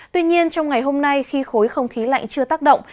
tuy nhiên trong ngày hôm nay khi khối không khí lạnh chưa tác động